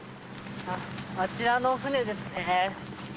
あちらの船ですね。